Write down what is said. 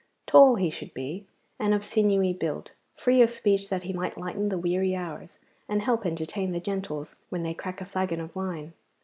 Tall he should be, and of sinewy build, free of speech that he might lighten the weary hours, and help entertain the gentles when they crack a flagon of wine.